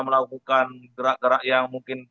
melakukan gerak gerak yang mungkin